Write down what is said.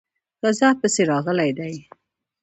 غزا پسې راغلی دی.